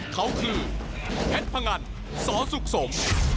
เขาคือเพชรพงันสสุขสม